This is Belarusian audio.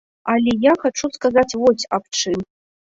Але я хачу сказаць вось аб чым.